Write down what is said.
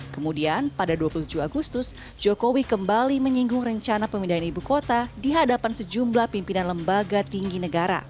kemudian pada dua puluh tujuh agustus jokowi kembali menyinggung rencana pemindahan ibu kota di hadapan sejumlah pimpinan lembaga tinggi negara